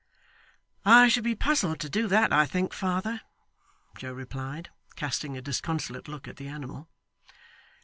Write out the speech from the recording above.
'I should be puzzled to do that, I think, father,' Joe replied, casting a disconsolate look at the animal.